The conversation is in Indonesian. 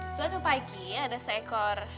suatu pagi ada seekor